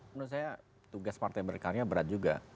menurut saya tugas partai berkarya berat juga